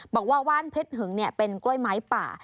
ว่าว่านเพชรหึงเป็นกล้วยไม้ป่า